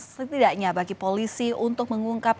setidaknya bagi polisi untuk mengungkap